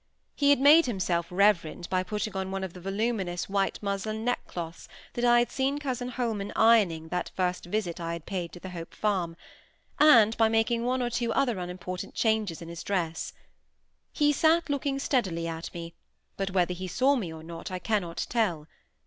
He had made himself "reverend" by putting on one of the voluminous white muslin neckcloths that I had seen cousin Holman ironing that first visit I had paid to the Hope Farm, and by making one or two other unimportant changes in his dress. He sate looking steadily at me, but whether he saw me or not I cannot tell.